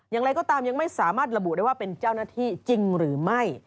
อย่างไรก็ตามยังไม่สามารถระบุได้ว่าเป็นเจ้าหน้าที่จริงหรือไม่